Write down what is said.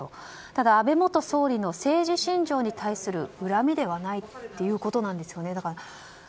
ただ、安倍元総理の政治信条に対する恨みではないということですよね。